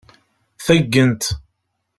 Taggent.